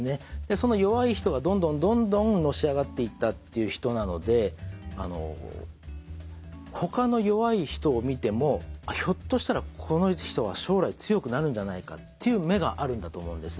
その弱い人がどんどんどんどんのし上がっていったっていう人なのでほかの弱い人を見てもひょっとしたらこの人は将来強くなるんじゃないかっていう目があるんだと思うんですね。